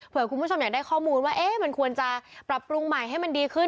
เพื่อคุณผู้ชมอยากได้ข้อมูลว่ามันควรจะปรับปรุงใหม่ให้มันดีขึ้น